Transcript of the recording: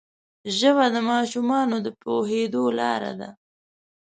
ژبه د ماشومانو د پوهېدو لاره ده